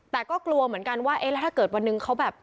แต่ก็กลัวเหมือนกันว่าเอ๊ะแล้วถ้าเกิดวันหนึ่งเขาแบบ